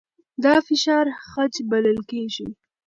دا فشار خج بلل کېږي.